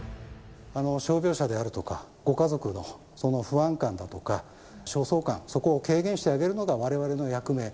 傷病者であるとか、ご家族の不安感だとか、焦燥感、そこを軽減してあげるのがわれわれの役目。